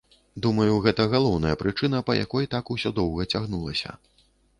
Думаю, гэта галоўная прычына, па якой так усё доўга цягнулася.